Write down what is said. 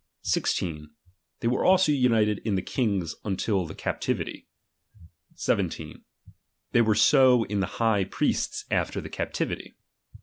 16. They were abo united in the kings until the captivity. 17. They were so in the high priests after the captivity.